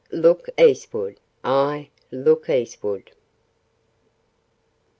"Look Eastward! Aye, look Eastward!"